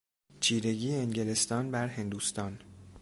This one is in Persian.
چیرگی انگلستان بر هندوستان